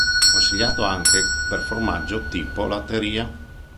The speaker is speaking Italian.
Consigliato anche per formaggio tipo "latteria".